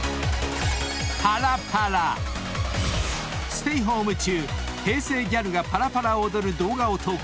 ［ステイホーム中平成ギャルがパラパラを踊る動画を投稿］